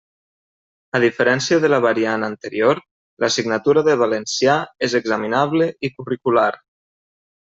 A diferència de la variant anterior, l'assignatura de valencià és examinable i curricular.